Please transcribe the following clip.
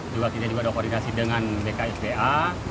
juga kita dikodinasi dengan bksba